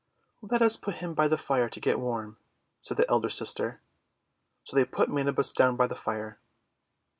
"Let us put him by the Fire to get warm," said the elder sister. So they put Manabus down by the Fire.